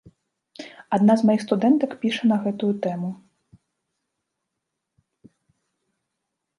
Адна з маіх студэнтак піша на гэтую тэму.